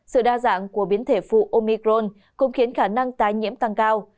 sự đa dạng của biến thể phụ omicron cũng khiến khả năng tái nhiễm tăng cao